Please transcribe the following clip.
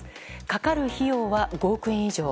かかる費用は５億円以上。